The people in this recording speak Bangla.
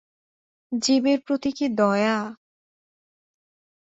জীবের প্রতি কী দয়া!